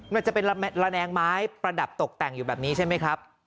มันจะเป็นระแนงไม้ประดับตกแต่งอยู่แบบนี้ใช่ไหมครับ